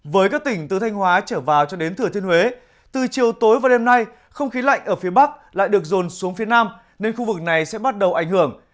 với các tỉnh từ thanh hóa trở vào cho đến thừa thiên huế từ chiều tối và đêm nay không khí lạnh ở phía bắc lại được rồn xuống phía nam nên khu vực này sẽ bắt đầu ảnh hưởng